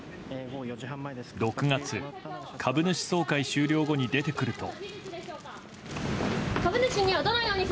６月、株主総会終了後に出てくると。